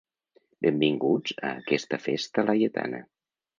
Benvinguts a aquesta festa laietana.